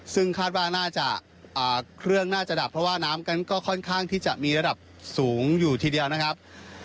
ซึ่งคาดว่าน่าจะเครื่องน่าจะดับเพราะว่าน้ำกันก็ค่อนข้างที่จะมีระดับสูงอยู่ทีเดียวนะครับ